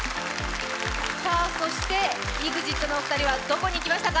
さあそして、ＥＸＩＴのお二人はどこにいきましたか？